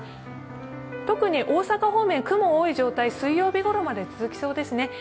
特に大阪方面、雲が多い状態、水曜日ごろまで続きそうですね。